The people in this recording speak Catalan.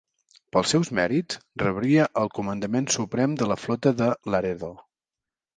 Pels seus mèrits rebria el comandament suprem de la Flota de Laredo.